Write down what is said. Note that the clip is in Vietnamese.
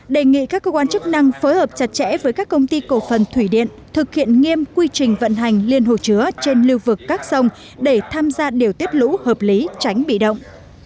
đề nghị các cơ quan chức năng phối hợp chặt chẽ với các công ty cổ phần thủy điện thực hiện nghiêm quy trình vận hành liên hồ chứa trên lưu vực các sông để tham gia điều tiết lũ hợp lý tránh bị động